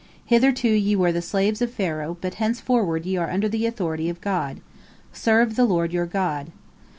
Hitherto ye were the slaves of Pharaoh, but henceforward ye are under the authority of God. Serve the Lord your God!'